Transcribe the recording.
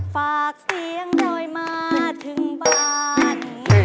ฝากเสียงดอยมาถึงบ้าน